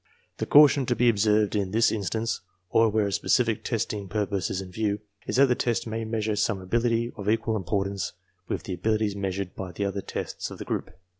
The caution to be observed in this instance, or where a specific testing purpose is in view, is that the test may measure some ability of equal importance with the abilities measured by the other tests of the group.